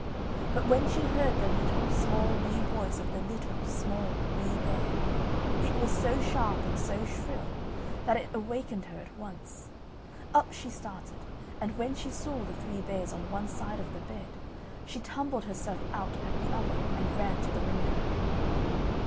But when she heard the little, small, wee voice of the Little, Small, Wee Bear, it was so sharp, and so shrill, that it awakened her at once. Up she started; and when she saw the Three Bears on one side of the bed, she tumbled herself out at the other, and ran to the window.